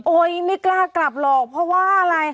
ไม่กล้ากลับหรอกเพราะว่าอะไร